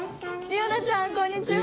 理央奈ちゃんこんにちは。